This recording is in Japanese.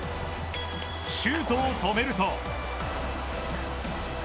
シュートを止めると。